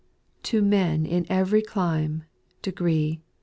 To men in every clime, degree.